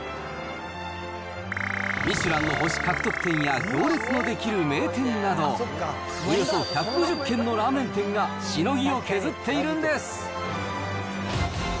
ミシュランの星獲得店や行列の出来る名店など、およそ１５０軒のラーメン店がしのぎを削っているんです。